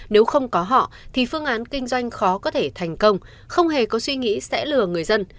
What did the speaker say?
nếu không có họ thì phương án kinh doanh khó có thể thành công không hề có suy nghĩ sẽ lừa người dân